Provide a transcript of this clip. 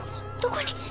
どこに。